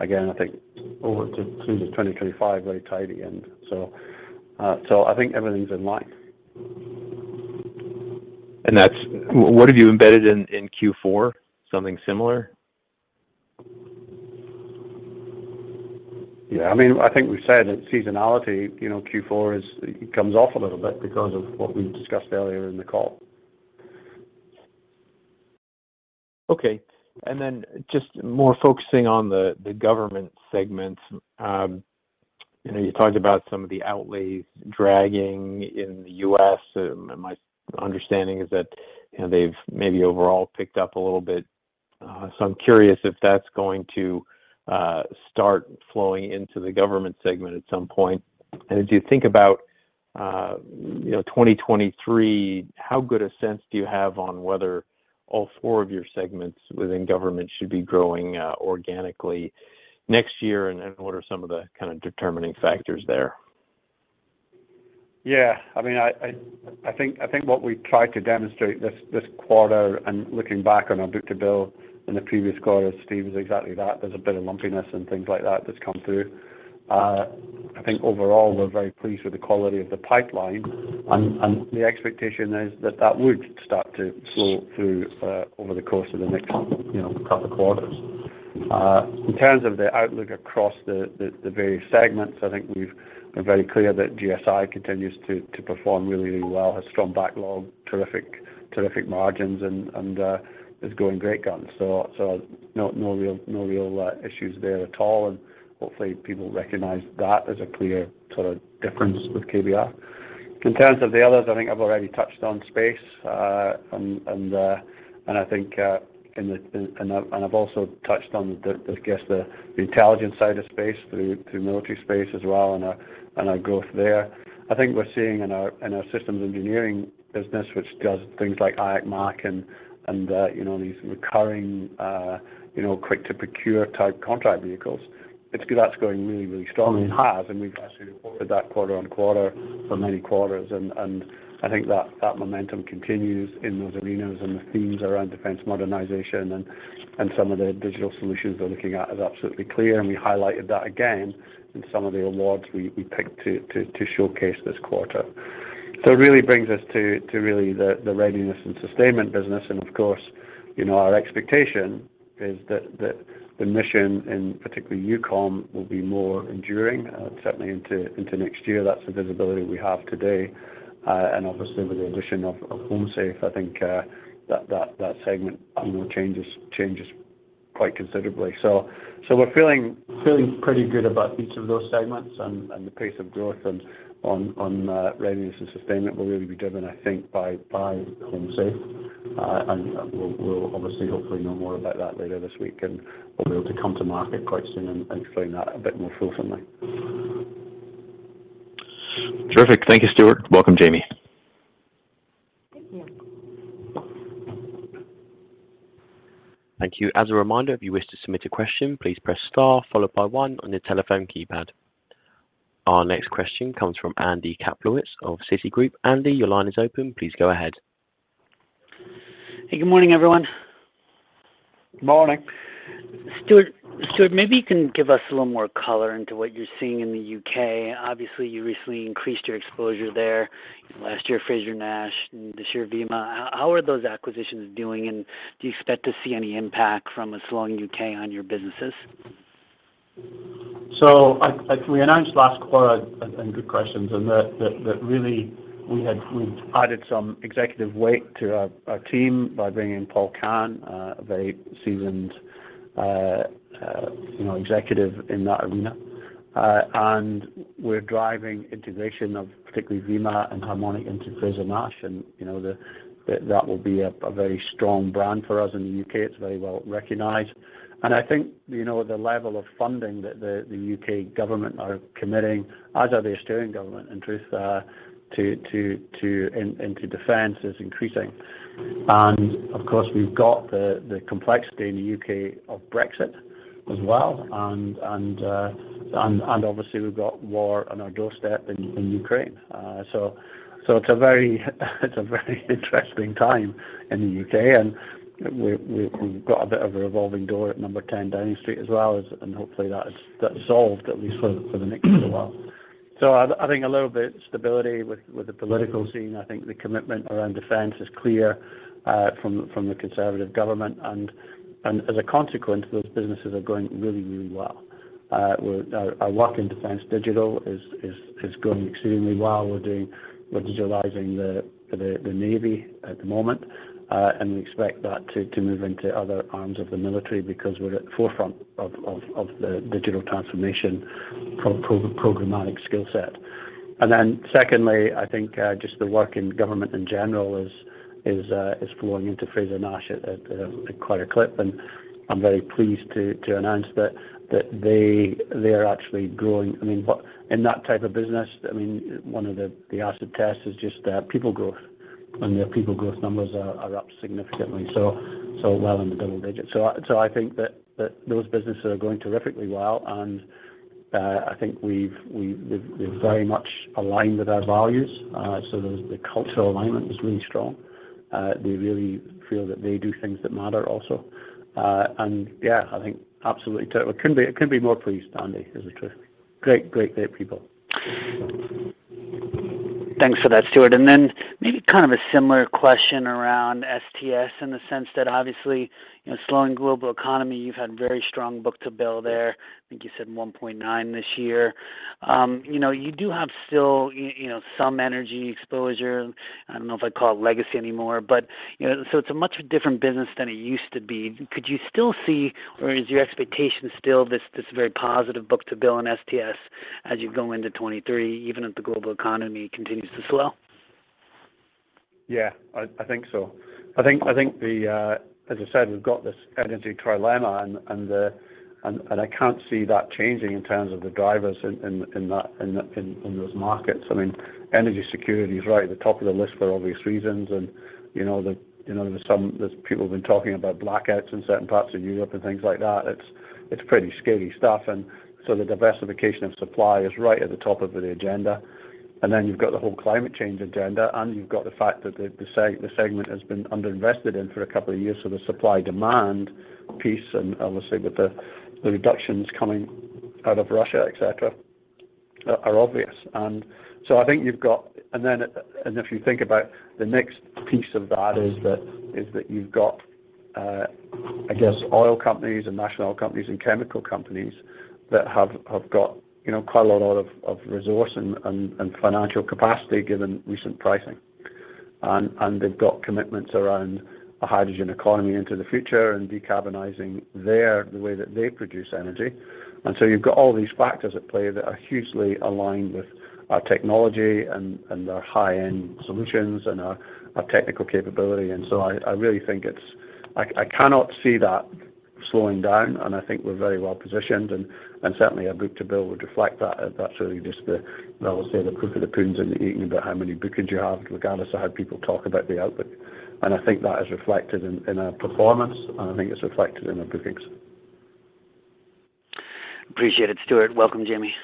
You know, I think over through to 2025, very tidy. I think everything's in line. What have you embedded in Q4? Something similar? Yeah. I mean, I think we've said that seasonality, you know, Q4 is, it comes off a little bit because of what we discussed earlier in the call. Okay. Just more focusing on the government segment. You know, you talked about some of the outlays dragging in the U.S. My understanding is that, you know, they've maybe overall picked up a little bit. So I'm curious if that's going to start flowing into the government segment at some point. As you think about 2023, how good a sense do you have on whether all four of your segments within government should be growing organically next year? What are some of the kind of determining factors there? Yeah. I mean, I think what we tried to demonstrate this quarter and looking back on our book-to-bill in the previous quarter, Steve, is exactly that. There's a bit of lumpiness and things like that that's come through. I think overall we're very pleased with the quality of the pipeline. The expectation is that that would start to flow through over the course of the next, you know, couple quarters. In terms of the outlook across the various segments, I think we've been very clear that GSI continues to perform really well. Has strong backlog, terrific margins and is going great guns. No real issues there at all. Hopefully people recognize that as a clear sort of difference with KBR. In terms of the others, I think I've already touched on space. I've also touched on the, I guess, the intelligence side of space through military space as well and our growth there. I think we're seeing in our systems engineering business, which does things like IAC MAC and these recurring quick to procure type contract vehicles. It's good. That's going really strongly and we've actually reported that quarter on quarter for many quarters. I think that momentum continues in those arenas and the themes around defense modernization and some of the digital solutions we're looking at is absolutely clear. We highlighted that again in some of the awards we picked to showcase this quarter. It really brings us to really the readiness and sustainment business. Of course, our expectation is that the mission in particular EUCOM will be more enduring, certainly into next year. That's the visibility we have today. Obviously with the addition of HomeSafe, I think that segment will change quite considerably. We're feeling pretty good about each of those segments and the pace of growth on readiness and sustainment will really be driven, I think, by HomeSafe. We'll obviously hopefully know more about that later this week, and we'll be able to come to market quite soon and explain that a bit more fully for me. Terrific. Thank you, Stuart. Welcome, Jamie. Thank you. As a reminder, if you wish to submit a question, please press star followed by one on your telephone keypad. Our next question comes from Andy Kaplowitz of Citigroup. Andy, your line is open. Please go ahead. Hey, good morning, everyone. Morning. Stuart, maybe you can give us a little more color into what you're seeing in the U.K. Obviously, you recently increased your exposure there. Last year, Frazer-Nash and this year VIMA. How are those acquisitions doing? And do you expect to see any impact from a slowing U.K. on your businesses? Like we announced last quarter, I think good questions, and that really we've added some executive weight to our team by bringing in Paul Kahn, a very seasoned, you know, executive in that arena. We're driving integration of particularly VIMA and Harmonic Ltd into Frazer-Nash. You know, that will be a very strong brand for us in the U.K. It's very well recognized. I think, you know, the level of funding that the U.K. government are committing, as are the Australian government in truth, into defense is increasing. Of course, we've got the complexity in the U.K. of Brexit as well, and obviously we've got war on our doorstep in Ukraine. It's a very interesting time in the U.K., and we've got a bit of a revolving door at number ten Downing Street as well, and hopefully that is solved at least for the next little while. I think a little bit stability with the political scene. I think the commitment around defense is clear from the conservative government. As a consequence, those businesses are going really well. Our work in defense digital is going extremely well. We're digitalizing the Navy at the moment, and we expect that to move into other arms of the military because we're at the forefront of the digital transformation programmatic skill set. Then secondly, I think just the work in government in general is flowing into Frazer-Nash at quite a clip. I'm very pleased to announce that they are actually growing. I mean, in that type of business, I mean, one of the acid tests is just people growth, and their people growth numbers are up significantly, so well in the double digits. So I think that those businesses are going terrifically well, and I think we've very much aligned with our values. So the cultural alignment is really strong. They really feel that they do things that matter also. And yeah, I think absolutely. I couldn't be more pleased, Andy. This is true. Great people. Thanks for that, Stuart. Maybe kind of a similar question around STS in the sense that obviously, you know, slowing global economy, you've had very strong book-to-bill there. I think you said 1.9x this year. You know, you do have still, you know, some energy exposure. I don't know if I'd call it legacy anymore, but, you know, so it's a much different business than it used to be. Could you still see or is your expectation still this very positive book-to-bill in STS as you go into 2023, even if the global economy continues to slow? Yeah, I think so. I think as I said, we've got this energy trilemma and I can't see that changing in terms of the drivers in that those markets. I mean, energy security is right at the top of the list for obvious reasons. You know, there's people have been talking about blackouts in certain parts of Europe and things like that. It's pretty scary stuff. The diversification of supply is right at the top of the agenda. You've got the whole climate change agenda, and you've got the fact that the segment has been underinvested in for a couple of years. The supply-demand piece, and obviously with the reductions coming out of Russia, et cetera, are obvious. I think you've got. If you think about the next piece of that is that you've got, I guess, oil companies and national oil companies and chemical companies that have got, you know, quite a lot of resource and financial capacity given recent pricing. They've got commitments around a hydrogen economy into the future and decarbonizing the way that they produce energy. You've got all these factors at play that are hugely aligned with our technology and their high-end solutions and our technical capability. I really think it's. I cannot see that slowing down, and I think we're very well positioned. Certainly our book-to-bill would reflect that. That's really just the, I would say the proof of the pudding in the eating about how many bookings you have, regardless of how people talk about the outlook. I think that is reflected in our performance, and I think it's reflected in our bookings. Appreciate it, Stuart. Welcome, Jamie.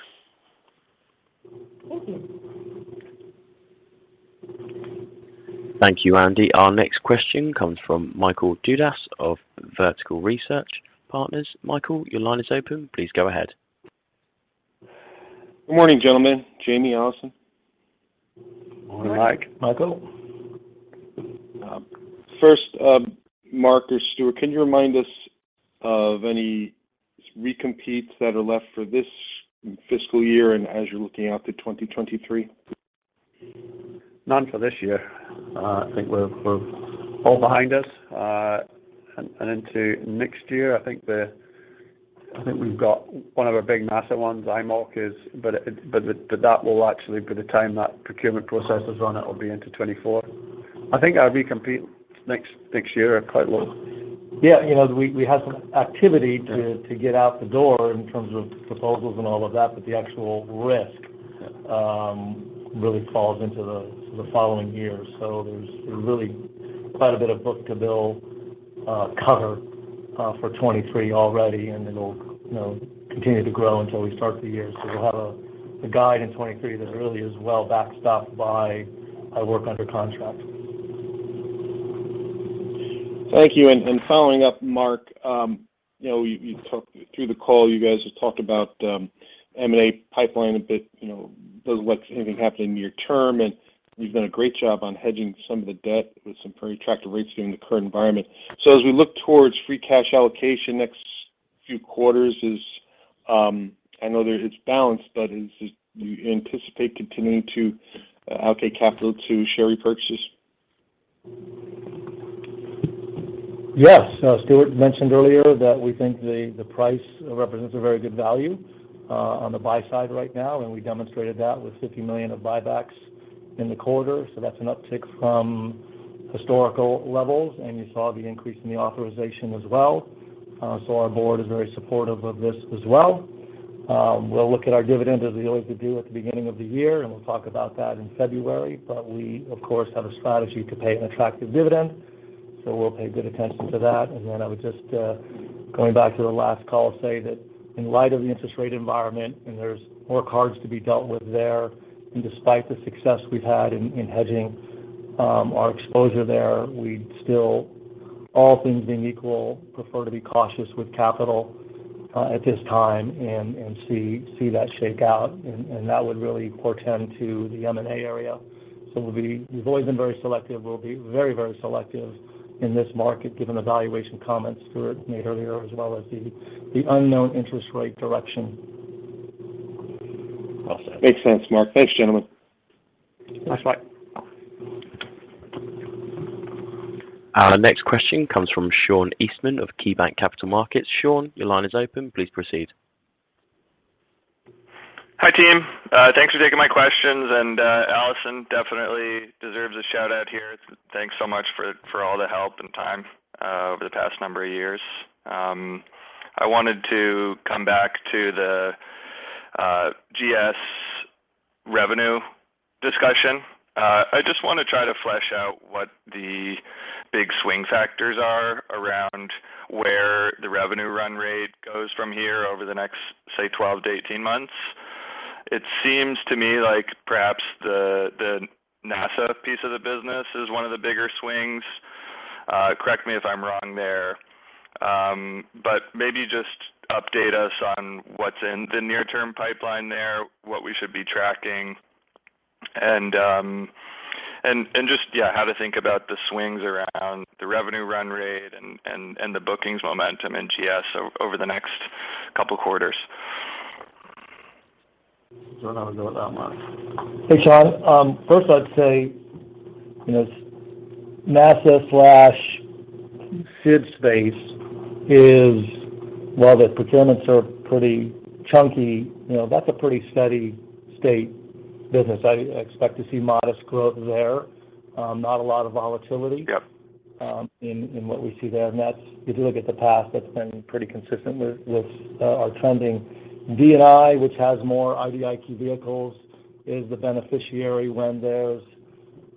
Thank you, Andy. Our next question comes from Michael Dudas of Vertical Research Partners. Michael, your line is open. Please go ahead. Good morning, gentlemen. Jamie, Allison. Morning. Mike, Michael. First, Mark or Stuart, can you remind us of any recompetes that are left for this fiscal year and as you're looking out to 2023? None for this year. I think we're all behind us. Into next year, I think we've got one of our big NASA ones, IMOC is. But that will actually, by the time that procurement process is run, it will be into 2024. I think our recompete next year are quite low. Yeah. You know, we have some activity to get out the door in terms of proposals and all of that, but the actual risk really falls into the following year. There's really quite a bit of book-to-bill cover for 2023 already, and it'll, you know, continue to grow until we start the year. We'll have a guide in 2023 that really is well backstopped by our work under contract. Thank you. Following up, Mark, you know, you talked through the call, you guys have talked about M&A pipeline a bit, you know, doesn't look like anything happened near-term, and you've done a great job on hedging some of the debt with some pretty attractive rates during the current environment. As we look towards free cash allocation next few quarters is, I know there's this balance, but do you anticipate continuing to allocate capital to share repurchases? Yes. Stuart mentioned earlier that we think the price represents a very good value on the buy side right now, and we demonstrated that with $50 million of buybacks in the quarter. That's an uptick from historical levels, and you saw the increase in the authorization as well. Our board is very supportive of this as well. We'll look at our dividend as we always do at the beginning of the year, and we'll talk about that in February. We, of course, have a strategy to pay an attractive dividend, so we'll pay good attention to that. Then I would just, going back to the last call, say that in light of the interest rate environment, and there's more cards to be dealt with there, and despite the success we've had in hedging our exposure there, we'd still, all things being equal, prefer to be cautious with capital at this time and see that shake out, and that would really portend to the M&A area. We've always been very selective. We'll be very, very selective in this market given the valuation comments Stuart made earlier as well as the unknown interest rate direction. Awesome. Makes sense, Mark. Thanks, gentlemen. Thanks, Mike. Our next question comes from Sean Eastman of KeyBanc Capital Markets. Sean, your line is open. Please proceed. Hi, team. Thanks for taking my questions. Allison definitely deserves a shout-out here. Thanks so much for all the help and time over the past number of years. I wanted to come back to the GS revenue discussion. I just wanna try to flesh out what the big swing factors are around where the revenue run rate goes from here over the next, say, 12-18 months. It seems to me like perhaps the NASA piece of the business is one of the bigger swings. Correct me if I'm wrong there. Maybe just update us on what's in the near-term pipeline there, what we should be tracking, and just yeah, how to think about the swings around the revenue run rate and the bookings momentum in GS over the next couple quarters. Don't know how to do it without Mark. Hey, Sean. First I'd say, you know, NASA/Civil Space is, while the procurements are pretty chunky, you know, a pretty steady state business. I expect to see modest growth there, not a lot of volatility. Yep. In what we see there. That's if you look at the past, that's been pretty consistent with our trending. D&I, which has more IDIQ vehicles, is the beneficiary when there's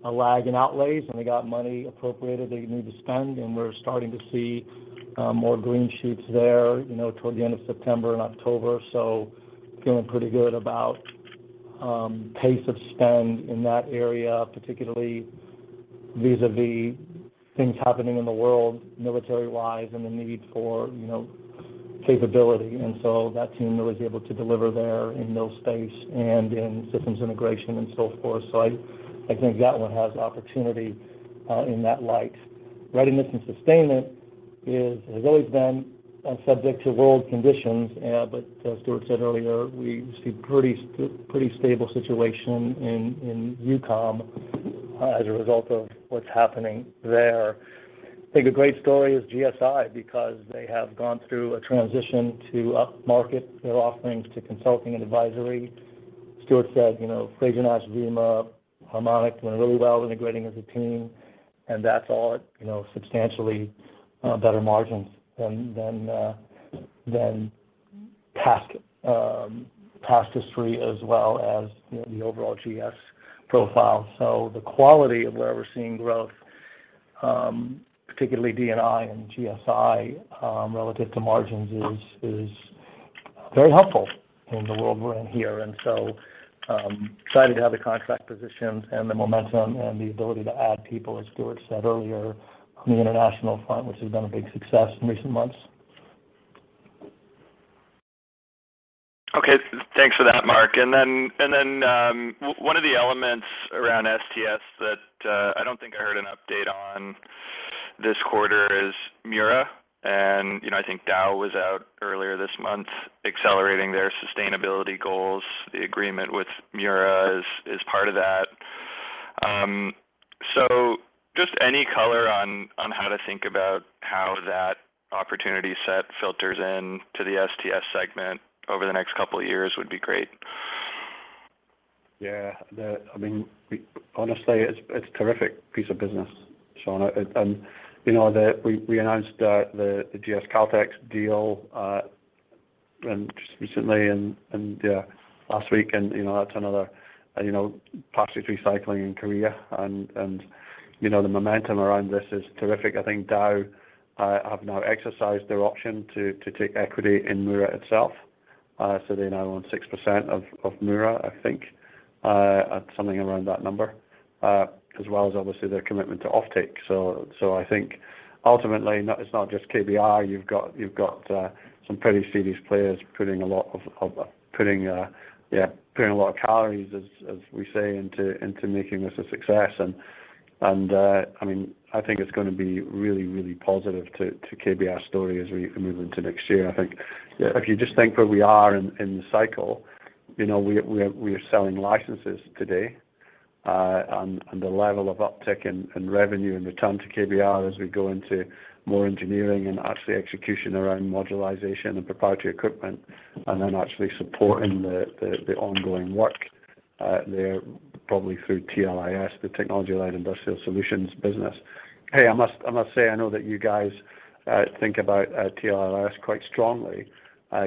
a lag in outlays, and they got money appropriated that you need to spend, and we're starting to see more green sheets there, you know, toward the end of September and October. Feeling pretty good about pace of spend in that area, particularly vis-à-vis things happening in the world military-wise and the need for, you know, capability. That team really is able to deliver there in those space and in systems integration and so forth. I think that one has opportunity in that light. Readiness and sustainment has always been subject to world conditions. As Stuart said earlier, we see pretty stable situation in EUCOM as a result of what's happening there. I think a great story is GSI because they have gone through a transition to upmarket their offerings to consulting and advisory. Stuart said, you know, Frazer-Nash, VIMA, Harmonic went really well integrating as a team, and that's all, you know, substantially better margins than past history as well as, you know, the overall GS profile. The quality of where we're seeing growth, particularly D&I and GSI, relative to margins is very helpful in the world we're in here. Excited to have the contract positions and the momentum and the ability to add people, as Stuart said earlier, on the international front, which has been a big success in recent months. Okay. Thanks for that, Mark. One of the elements around STS that I don't think I heard an update on this quarter is Mura. You know, I think Dow was out earlier this month accelerating their sustainability goals. The agreement with Mura is part of that. Just any color on how to think about how that opportunity set filters in to the STS segment over the next couple of years would be great. Yeah. I mean, honestly, it's a terrific piece of business, Sean. You know, we announced the GS Caltex deal and just recently, yeah, last week. You know, that's another plastic recycling in Korea and, you know, the momentum around this is terrific. I think Dow have now exercised their option to take equity in Mura itself. They now own 6% of Mura, I think, something around that number, as well as obviously their commitment to offtake. I think ultimately, it's not just KBR. You've got some pretty serious players putting a lot of calories, as we say, into making this a success. I mean, I think it's gonna be really, really positive to KBR's story as we move into next year. I think if you just think where we are in the cycle, you know, we are selling licenses today, and the level of uptick in revenue and return to KBR as we go into more engineering and actually execution around modularization and proprietary equipment, and then actually supporting the ongoing work, there probably through TLIS, the Technology-Led Industrial Solutions business. Hey, I must say, I know that you guys think about TLIS quite strongly,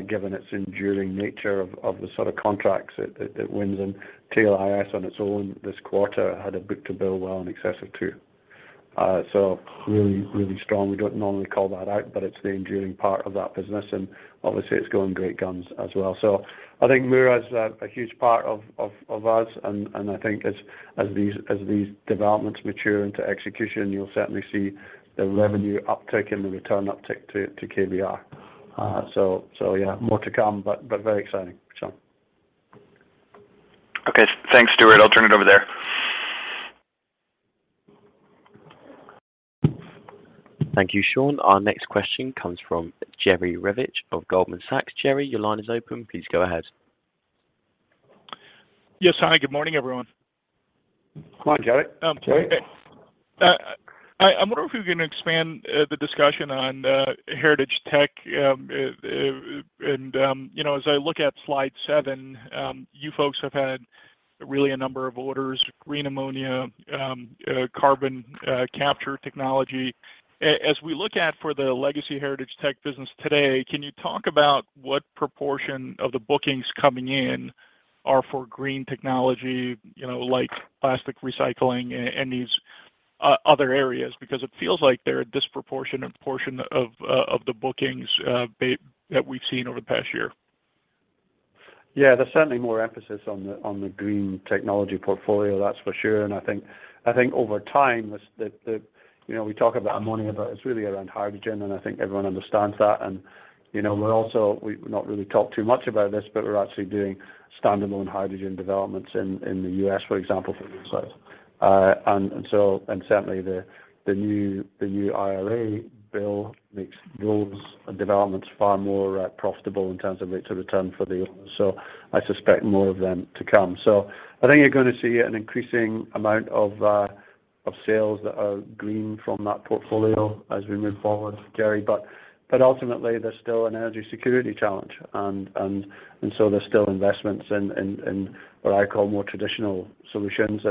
given its enduring nature of the sort of contracts it wins. TLIS on its own this quarter had a book-to-bill well in excess of two. So really, really strong. We don't normally call that out, but it's the enduring part of that business, and obviously it's going great guns as well. I think Mura is a huge part of us. I think as these developments mature into execution, you'll certainly see the revenue uptick and the return uptick to KBR. Yeah, more to come, but very exciting, Sean. Okay. Thanks, Stuart. I'll turn it over there. Thank you, Sean. Our next question comes from Jerry Revich of Goldman Sachs. Jerry, your line is open. Please go ahead. Yes. Hi, good morning, everyone. Hi, Jerry. I wonder if you can expand the discussion on heritage tech. You know, as I look at slide seven, you folks have had really a number of orders, green ammonia, carbon capture technology. As we look at for the legacy heritage tech business today, can you talk about what proportion of the bookings coming in are for green technology, you know, like plastic recycling and these other areas? Because it feels like they're a disproportionate portion of the bookings that we've seen over the past year. Yeah. There's certainly more emphasis on the green technology portfolio, that's for sure. I think over time, you know, we talk about ammonia, but it's really around hydrogen, and I think everyone understands that. You know, we're also, we've not really talked too much about this, but we're actually doing standalone hydrogen developments in the U.S., for this size. So, and certainly the new IRA bill makes those developments far more profitable in terms of rates of return for the owners. I suspect more of them to come. I think you're gonna see an increasing amount of of sales that are green from that portfolio as we move forward, Jerry. Ultimately, there's still an energy security challenge. There's still investments in what I call more traditional solutions.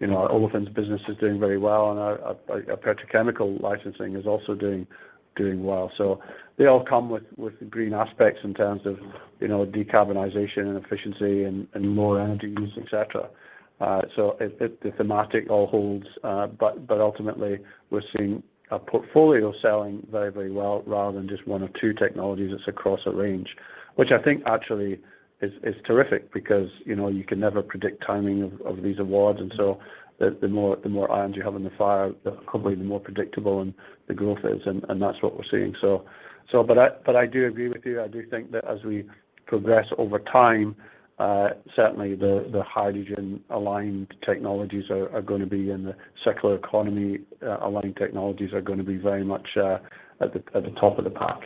You know, Olefins business is doing very well, and our petrochemical licensing is also doing well. They all come with the green aspects in terms of, you know, decarbonization and efficiency and lower energy use, et cetera. The theme, it all holds. Ultimately we're seeing our portfolio selling very well rather than just one or two technologies. It's across a range, which I think actually is terrific because, you know, you can never predict timing of these awards. The more irons you have in the fire, probably the more predictable the growth is. That's what we're seeing. But I do agree with you. I do think that as we progress over time, certainly the hydrogen aligned technologies are gonna be in the circular economy. Aligned technologies are gonna be very much at the top of the pack.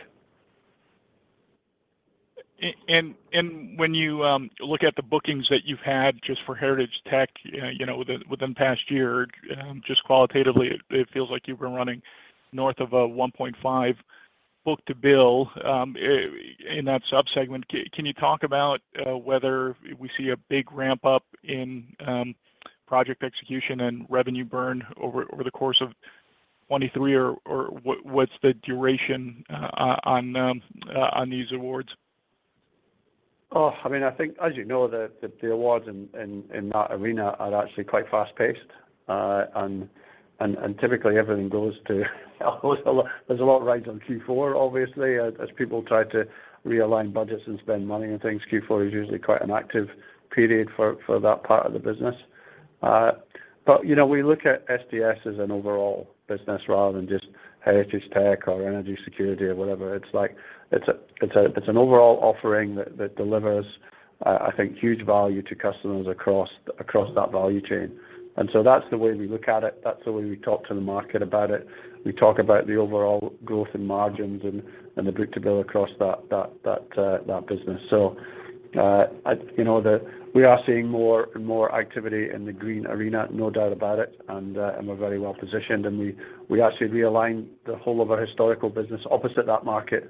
When you look at the bookings that you've had just for heritage tech, you know, within the past year, just qualitatively it feels like you've been running north of 1.5x book-to-bill in that sub-segment. Can you talk about whether we see a big ramp up in project execution and revenue burn over the course of 2023? Or what is the duration on these awards? Oh, I mean, I think as you know, the awards in that arena are actually quite fast-paced. Typically there's a lot that rides on Q4 obviously, as people try to realign budgets and spend money on things. Q4 is usually quite an active period for that part of the business. You know, we look at STS as an overall business rather than just heritage tech or energy security or whatever. It's like it's an overall offering that delivers, I think, huge value to customers across that value chain. That's the way we look at it. That's the way we talk to the market about it. We talk about the overall growth in margins and the book-to-bill across that business. You know that we are seeing more and more activity in the green arena, no doubt about it. We're very well positioned, and we actually realigned the whole of our historical business opposite that market,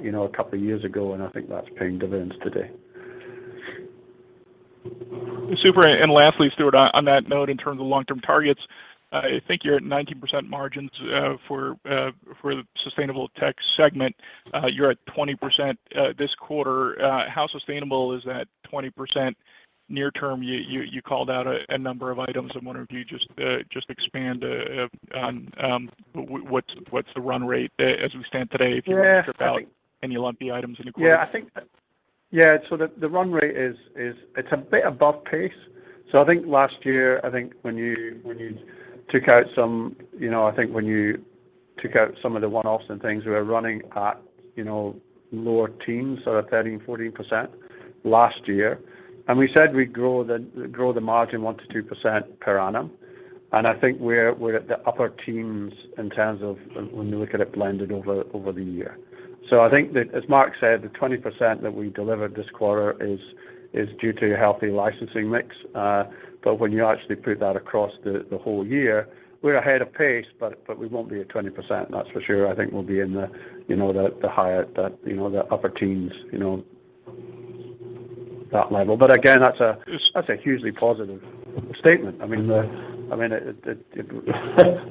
you know, a couple of years ago, and I think that's paying dividends today. Super. Lastly, Stuart, on that note, in terms of long-term targets, I think you're at 19% margins for the sustainable tech segment. You're at 20% this quarter. How sustainable is that 20% near term? You called out a number of items. I'm wondering if you just expand on what's the run rate as we stand today? Yeah, I think. If you strip out any lumpy items in the quarter. I think the run rate is a bit above pace. I think last year, when you took out some of the one-offs and things, you know, we were running at, you know, lower teens, sort of 13%, 14% last year. We said we'd grow the margin 1%-2% per annum. I think we're at the upper teens in terms of when you look at it blended over the year. I think that, as Mark said, the 20% that we delivered this quarter is due to a healthy licensing mix. But when you actually put that across the whole year, we're ahead of pace, but we won't be at 20%, that's for sure. I think we'll be in the higher, you know, the upper teens, you know, that level. Again, that's a hugely positive statement. I mean,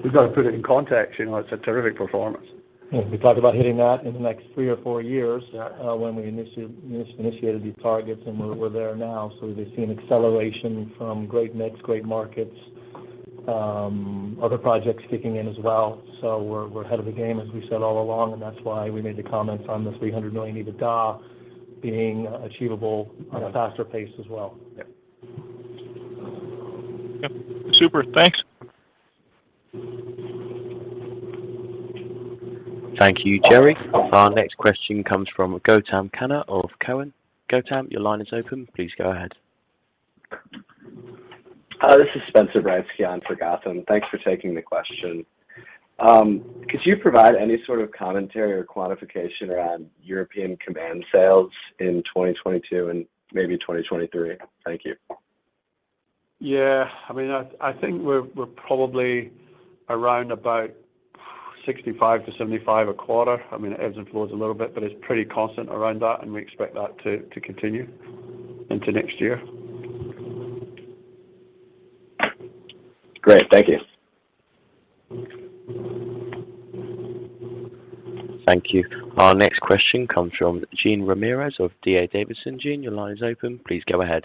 we've got to put it in context. You know, it's a terrific performance. Yeah. We talked about hitting that in the next three or four years, when we initiated these targets, and we're there now. We've seen acceleration from great mix, great markets, other projects kicking in as well. We're ahead of the game, as we said all along, and that's why we made the comments on the $300 million EBITDA being achievable on a faster pace as well. Yeah. Yep. Super. Thanks. Thank you, Jerry. Our next question comes from Gautam Khanna of Cowen. Gautam, your line is open. Please go ahead. Hi, this is Spencer Breitzke on for Gautam. Thanks for taking the question. Could you provide any sort of commentary or quantification around European Command sales in 2022 and maybe 2023? Thank you. Yeah. I mean, I think we're probably around about $65 million-$75 million a quarter. I mean, it ebbs and flows a little bit, but it's pretty constant around that, and we expect that to continue into next year. Great. Thank you. Thank you. Our next question comes from Jean Ramirez of D.A. Davidson. Jean, your line is open. Please go ahead.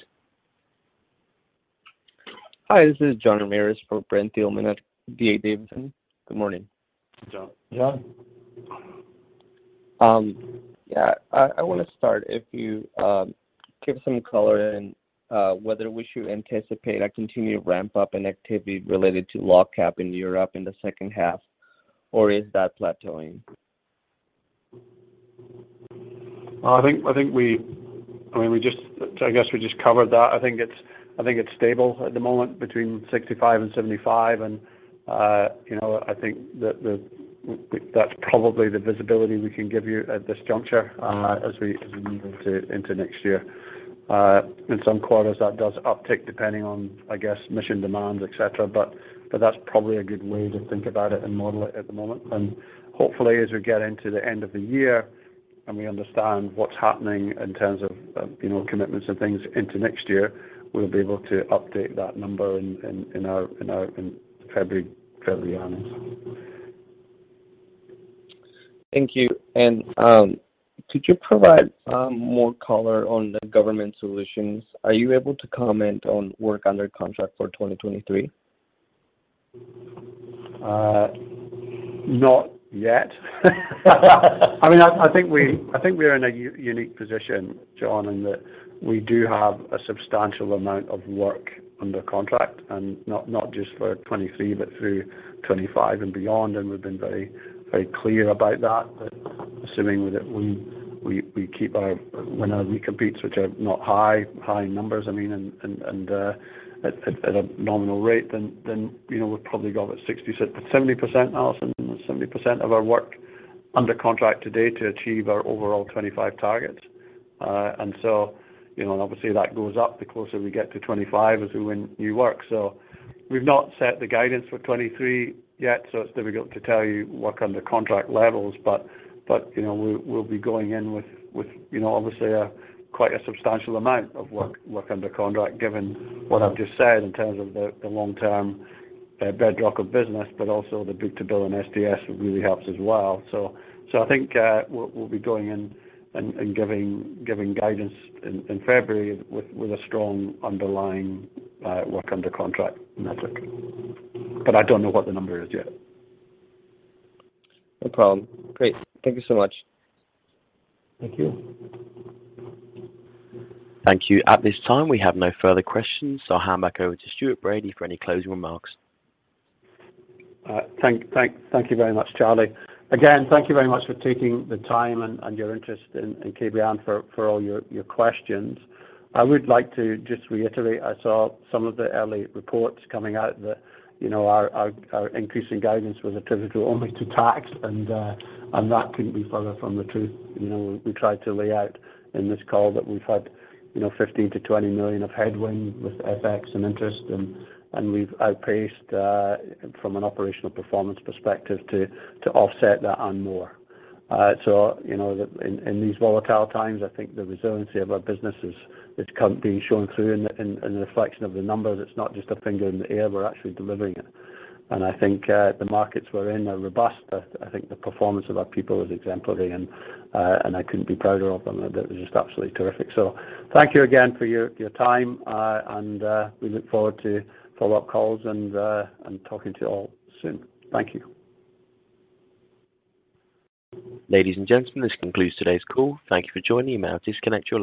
Hi, this is Jean Ramirez for Brent Thielman at D.A. Davidson. Good morning. Hi, Jean. Jean. Yeah. I wanna start if you give some color on whether we should anticipate a continued ramp up in activity related to LOGCAP in Europe in the second half, or is that plateauing? I think I mean, I guess we just covered that. I think it's stable at the moment between $65 million and $75 million. You know, I think that's probably the visibility we can give you at this juncture as we move into next year. In some quarters that does uptick depending on, I guess, mission demands, etc. That's probably a good way to think about it and model it at the moment. Hopefully, as we get into the end of the year and we understand what's happening in terms of you know, commitments and things into next year, we'll be able to update that number in our February earnings. Thank you. Could you provide more color on the Government Solutions? Are you able to comment on work under contract for 2023? Not yet. I mean, I think we are in a unique position, Jean, in that we do have a substantial amount of work under contract, not just for 2023, but through 2025 and beyond. We've been very clear about that. Assuming that we keep our win as we compete, which are not high numbers, I mean, at a nominal rate, then you know, we've probably got 60%, 70%, Allison, 70% of our work under contract today to achieve our overall 2025 targets. You know, obviously that goes up the closer we get to 2025 as we win new work. We've not set the guidance for 2023 yet, so it's difficult to tell you work under contract levels. You know, we'll be going in with you know, obviously quite a substantial amount of work under contract, given what I've just said in terms of the long-term bedrock of business, but also the book-to-bill and STS really helps as well. I think we'll be going in and giving guidance in February with a strong underlying work under contract metric. I don't know what the number is yet. No problem. Great. Thank you so much. Thank you. Thank you. At this time, we have no further questions. I'll hand back over to Stuart Bradie for any closing remarks. Thank you very much, Charlie. Again, thank you very much for taking the time and your interest in and carrying on for all your questions. I would like to just reiterate. I saw some of the early reports coming out that, you know, our increasing guidance was attributable only to tax, and that couldn't be further from the truth. You know, we tried to lay out in this call that we've had, you know, $15 million-$20 million of headwind with FX and interest, and we've outpaced from an operational performance perspective to offset that and more. So, you know, in these volatile times, I think the resiliency of our business is being shown through in the reflection of the numbers. It's not just a finger in the air, we're actually delivering it. I think the markets we're in are robust. I think the performance of our people is exemplary, and I couldn't be prouder of them. They're just absolutely terrific. Thank you again for your time, and we look forward to follow-up calls and talking to you all soon. Thank you. Ladies and gentlemen, this concludes today's call. Thank you for joining. You may now disconnect your lines.